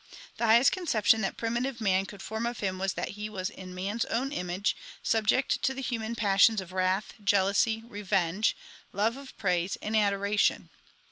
The highest conception that primitive man could form of Him was that He was in man s own image, subject to the human passions of wrath, jealousy, revenge, love of praise, and adoration.